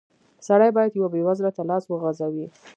سړی بايد يوه بېوزله ته لاس وغزوي.